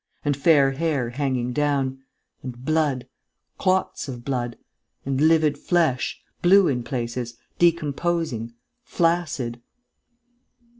and fair hair hanging down ... and blood ... clots of blood ... and livid flesh, blue in places, decomposing, flaccid.